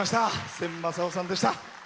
千昌夫さんでした。